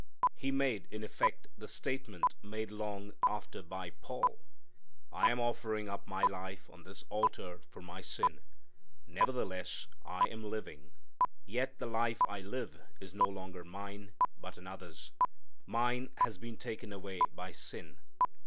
He made, in effect, the statement made long after by Paul: "I am offering up my life on this altar for my sin; nevertheless I am living: yet the life I live is no longer mine, but another's. Mine has been taken away by sin."